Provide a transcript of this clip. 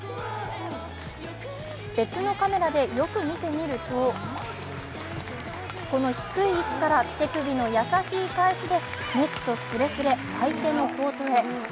別のカメラでよく見てみると、この低い位置から手首の優しい返しでネットすれすれ、相手のコートへ。